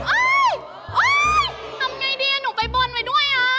ทำไงดีหนูไปบนไว้ด้วยอ่ะ